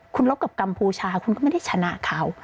คุณลบกับกัมพูชาคุณก็ไม่ได้ชนะเขา